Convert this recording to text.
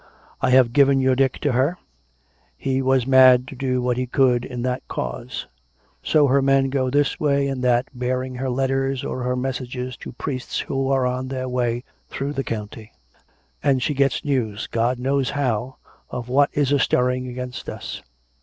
I have given your Dick to her; he was mad to do what he could in that cause. So her men go this way and that bearing her letters or her messages to priests who are on 264, COME RACK! COME ROPE! their way through the county; and she gets news — God knows how !— of what is a stirring against us.